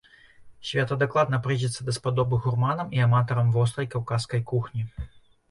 Свята дакладна прыйдзецца даспадобы гурманам і аматарам вострай каўказскай кухні.